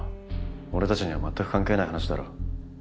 俺たちにはまったく関係ない話だろ。